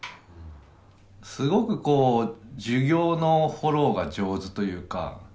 すごくこう授業のフォローが上手というか。